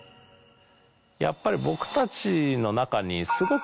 やっぱり。